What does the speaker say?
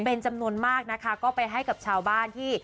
เป็นจำนวนมากนะคะก็ไปให้กับชาวบ้านที่